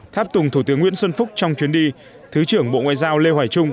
tháp tùng thủ tướng nguyễn xuân phúc trong chuyến đi thứ trưởng bộ ngoại giao lê hoài trung